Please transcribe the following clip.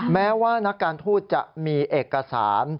แม้ว่านักการทูตจะมีเอกสาร